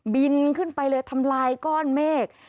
บินขึ้นไปเลยทำลายก้อนเมฆ